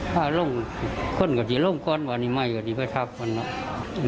ภาพลงข้นกระทิลงก้อนวันนี้ไม่วันนี้ไปทักวันนี้